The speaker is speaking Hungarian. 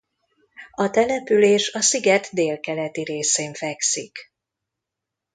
A település a sziget délkeleti részén fekszik.